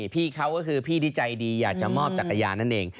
พี่เขาก็คือพี่ที่ใจดีอยากจะมอบจักรยานนั่นเอง